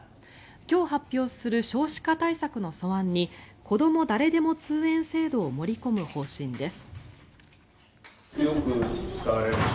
今日発表する少子化対策の素案にこども誰でも通園制度を盛り込む方針です。